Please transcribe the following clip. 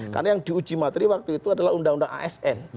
karena yang diuji materi waktu itu adalah undang undang asn